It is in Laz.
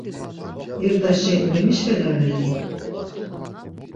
İrdaşi memişvelarei?